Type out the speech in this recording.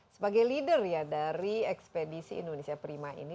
sebagai leader ya dari ekspedisi indonesia prima ini